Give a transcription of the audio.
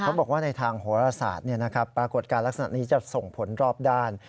บอกว่าในทางโหรศาสตร์ปรากฏการณ์ลักษณะนี้จะส่งผลรอบด้าน